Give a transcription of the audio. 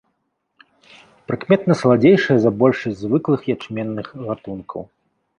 Прыкметна саладзейшае за большасць звыклых ячменных гатункаў.